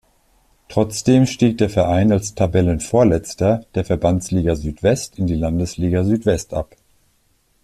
Trotzdem stieg der Verein als Tabellenvorletzter der Verbandsliga Südwest in die Landesliga Südwest ab.